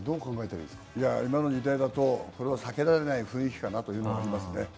今の時代だと避けられない雰囲気だなというのはありますね。